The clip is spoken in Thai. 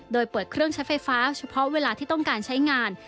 โดยเปิดเครื่องใช้ไฟฟ้าเฉพาะเวลาที่ต้องการใช้งาน